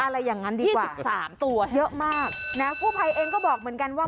อะไรอย่างนั้นดี๒๓ตัวเยอะมากนะกู้ภัยเองก็บอกเหมือนกันว่า